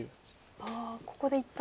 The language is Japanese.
ああここで一旦。